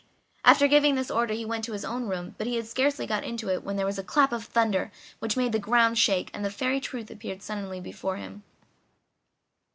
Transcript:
After giving this order he went to his own room, but he had scarcely got into it when there was a clap of thunder which made the ground shake, and the Fairy Truth appeared suddenly before him.